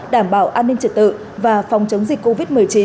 đảm bảo an ninh trật tự và phòng chống dịch covid một mươi chín